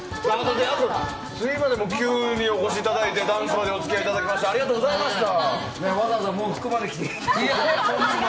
すみません急にお越しいただいてダンスまでお付き合いいただいてありがとうございました。